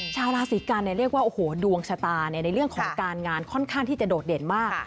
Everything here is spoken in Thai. ชาวราศีกันเรียกว่าโอ้โหดวงชะตาในเรื่องของการงานค่อนข้างที่จะโดดเด่นมาก